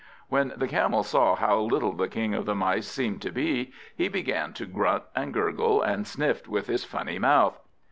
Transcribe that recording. When the Camel saw how little the King of the Mice seemed to be, he began to grunt and gurgle, and sniffed with his funny mouth.